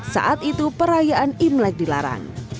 saat itu perayaan imlek dilarang